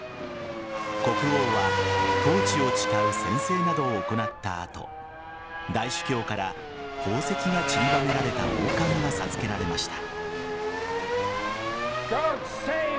国王は統治を誓う宣誓などを行った後大主教から宝石がちりばめられた王冠が授けられました。